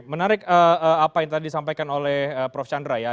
menarik apa yang tadi disampaikan oleh prof chandra ya